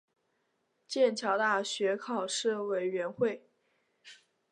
剑桥大学考试委员会